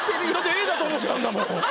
Ａだと思ったんだもん。